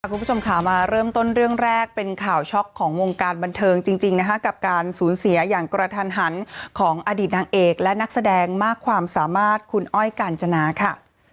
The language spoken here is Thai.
คุณผู้ชมค่ะมาเริ่มต้นเรื่องแรกเป็นข่าวช็อกของวงการบันเทิงจริงนะคะกับการสูญเสียอย่างกระทันหันของอดีตนางเอกและนักแสดงมากความสามารถคุณอ้อยกาญจนาค่ะ